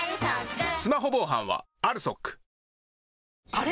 あれ？